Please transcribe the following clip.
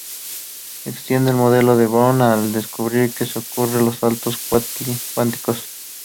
Extiende el modelo de Bohr al describir cómo ocurren los saltos cuánticos.